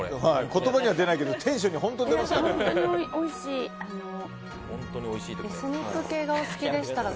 言葉には出ないけどテンションには本当に出ますから。